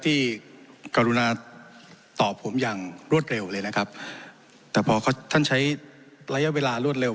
กรุณาตอบผมอย่างรวดเร็วเลยนะครับแต่พอเขาท่านใช้ระยะเวลารวดเร็